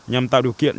nhằm tạo điều kiện